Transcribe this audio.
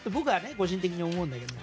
個人的に思うんだけれども。